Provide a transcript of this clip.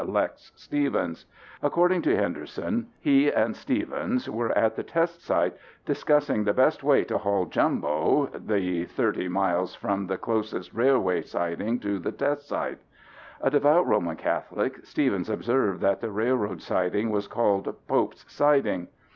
(Lex) Stevens. According to Henderson, he and Stevens were at the test site discussing the best way to haul Jumbo (see below) the thirty miles from the closest railway siding to the test site. "A devout Roman Catholic, Stevens observed that the railroad siding was called 'Pope's Siding.'